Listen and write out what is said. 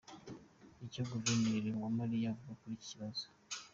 Icyo guverineri Uwamariya avuga kuri iki kibazo.